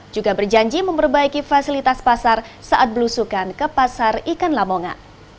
juga berjanji memperbaiki fasilitas pasar saat belusukan ke pasar ikan lamongan